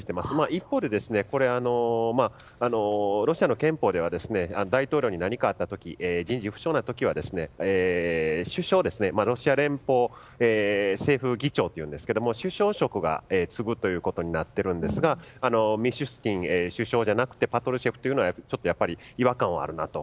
一方でロシアの憲法では大統領に何かあった時首相、ロシア連邦政府議長というんですけど首相職が継ぐということになっているんですが今の首相じゃなくてパトルシェフ氏というのは違和感はあるなと。